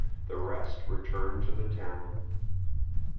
The rest returned to the town.